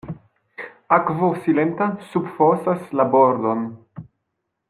Akvo silenta subfosas la bordon.